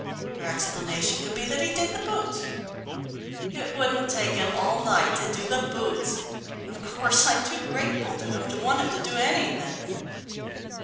"Your explanation could be that he did the boots." "It wouldn't take him all night to do the boots. Of course, I'm too grateful to him to want him to do anything."